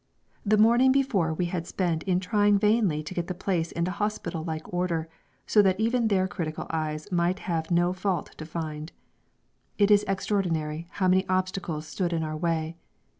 The morning before we had spent in trying vainly to get the place into hospital like order, so that even their critical eyes might have no fault to find. It is extraordinary how many obstacles stood in our way.